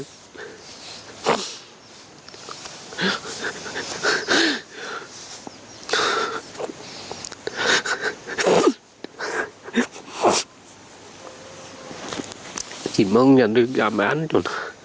thì mong nhà nước giả mãn tôi nói